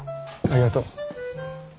ありがとう。